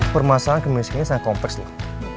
permasalahan kemiskinannya sangat kompleks loh